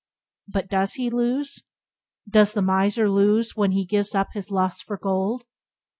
But does he lose? Does the miser lose when he gives up his lust for gold?